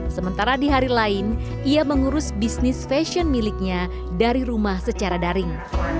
sementara di hari lain ia mengurus bisnis fashion miliknya dari rumah secara daring